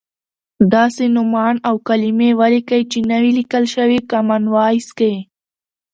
داسې نومان او کلیمې ولیکئ چې نه وې لیکل شوی کامن وایس کې.